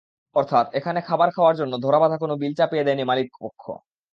অর্থাত্, এখানে খাবার খাওয়ার জন্য ধরাবাধা কোনো বিল চাপিয়ে দেয়নি মালিক পক্ষ।